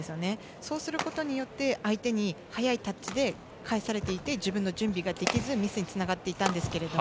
そうすることによって相手に速いタッチで返されていて自分の準備ができずミスにつながっていたんですけど